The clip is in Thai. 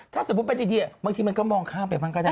ถ้าสมมุติเป็นดีบางทีมันก็มองข้ามไปบ้างก็ได้